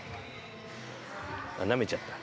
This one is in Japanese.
あっなめちゃった。